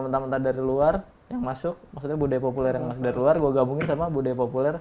terus akhirnya yaudah